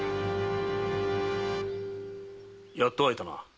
やっと会えたな。